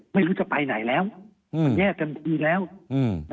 ไม่รู้จะไปไหนแล้วมันแยกกันทีแล้วนะครับ